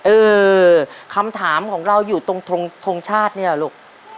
เออคำถามของเราอยู่ตรงทงชาติเนี่ยลูก